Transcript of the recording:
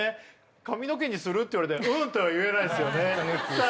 かみのけにする？って言われてうんとは言えないですよねさあ